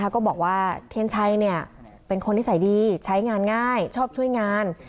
ก็บอกว่าเทียนชัยเป็นคนนิสัยดีใช้งานง่ายชอบช่วยงาน